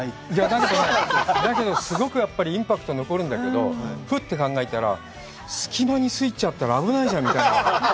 だけどね、すごいインパクト残るんだけど、ふって考えたら、隙間にスイッチあったら危ないじゃんみたいな。